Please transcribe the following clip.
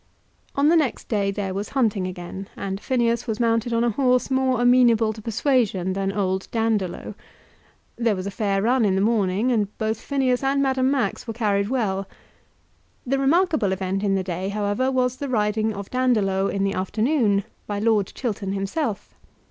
On the next day there was hunting again, and Phineas was mounted on a horse more amenable to persuasion than old Dandolo. There was a fair run in the morning, and both Phineas and Madame Max were carried well. The remarkable event in the day, however, was the riding of Dandolo in the afternoon by Lord Chiltern himself.